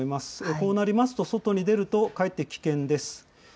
こうなりますと、外に出るとかえって危険です。